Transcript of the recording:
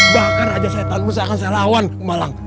bahkan raja setanmu saya akan saya lawan malang